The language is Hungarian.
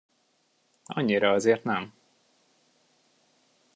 Annyira azért nem.